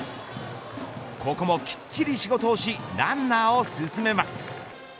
ここもきっちり仕事をし、ランナーを進めます。